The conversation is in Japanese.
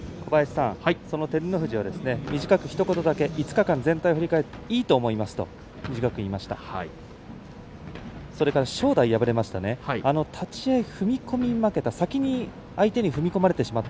照ノ富士は短くひと言だけ５日間全体を振り返っていいと思いますと短く言いました。